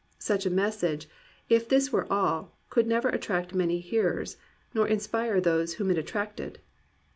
Such a message, if this were all, could never attract many hearers, nor inspire those whom it attracted.